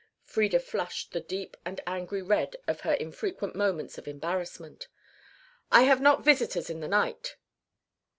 Frieda flushed the deep and angry red of her infrequent moments of embarrassment. "I have not visitors in the night."